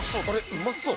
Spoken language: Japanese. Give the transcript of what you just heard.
うまそう。